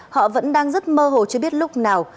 họ vẫn đang rất mơ hồ chưa biết lúc nào